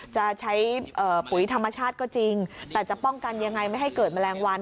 จะใช้ปุ๋ยธรรมชาติก็จริงแต่จะป้องกันยังไงไม่ให้เกิดแมลงวัน